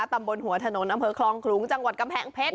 ตำบลหัวถนนอำเภอคลองขลุงจังหวัดกำแพงเพชร